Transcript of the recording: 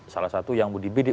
salah satu yang mudibidik